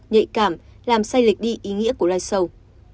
nhạy cảm làm say lịch đi ý nghĩa của live show